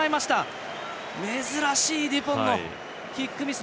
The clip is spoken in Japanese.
珍しいデュポンのキックミス。